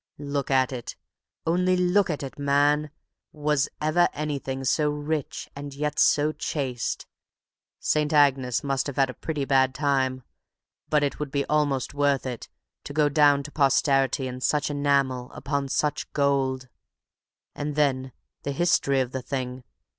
Look at it; only look at it, man! Was ever anything so rich and yet so chaste? St. Agnes must have had a pretty bad time, but it would be almost worth it to go down to posterity in such enamel upon such gold. And then the history of the thing.